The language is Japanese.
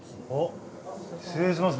失礼します